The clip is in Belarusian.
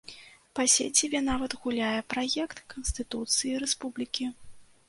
Па сеціве нават гуляе праект канстытуцыі рэспублікі.